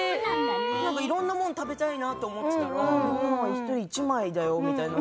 いろんなものを食べたいと思っていたら１人１枚だよみたいな。